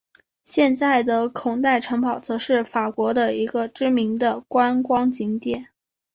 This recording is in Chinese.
现在的孔代城堡则是法国的一个知名的观光景点。